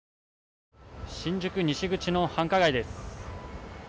新宿西口の繁華街です。